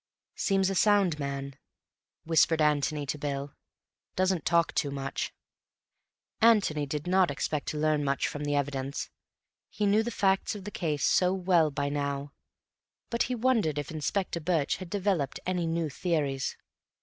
"Seems a sound man," whispered Antony to Bill. "Doesn't talk too much." Antony did not expect to learn much from the evidence—he knew the facts of the case so well by now—but he wondered if Inspector Birch had developed any new theories.